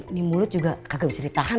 ini mulut juga kagak bisa ditahan